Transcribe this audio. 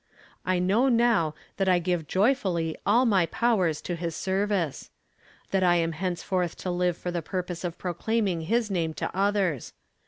I know now that I give joyfully all my powers to his service ; that I am henceforth to live for the purpose of pro claiming his name to others.